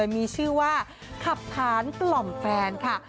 มีชื่อว่าขับขานกล่อมแฟนค่ะ